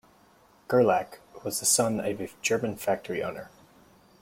Gerlach was the son of a German factory owner.